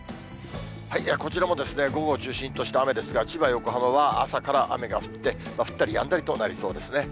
こちらも午後を中心として雨ですが、千葉、横浜は朝から雨が降って、降ったりやんだりとなりそうですね。